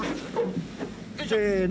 せの。